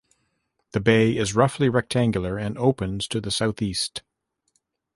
The bay is roughly rectangular and opens to the southeast.